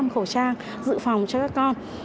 khẩu trang dự phòng cho các con